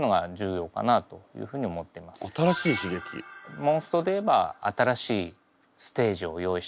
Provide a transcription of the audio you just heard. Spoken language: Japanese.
モンストで言えば新しいステージを用意してあげて。